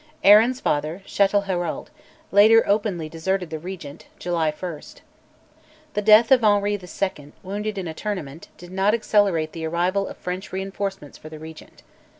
Arran's father, Chatelherault, later openly deserted the Regent (July 1). The death of Henri II., wounded in a tournament, did not accelerate the arrival of French reinforcements for the Regent.